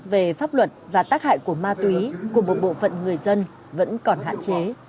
về pháp luật và tác hại của ma túy của một bộ phận người dân vẫn còn hạn chế